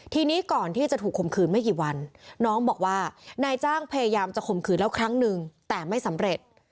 ทีนี้ก่อนที่จะถูกคมคืนไม่กี่วันน้องบอกว่านายจ้างพยายามจะข่มขืนแล้วครั้งหนึ่งแต่ไม่สำเร็จ